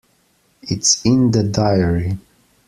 It's in the diary.